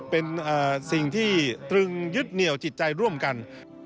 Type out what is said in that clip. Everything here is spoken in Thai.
เป็นสิ่งที่ตรึงยึดเหนี่ยวจิตใจร่วมกัน